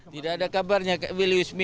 tidak ada kabarnya kewil luismia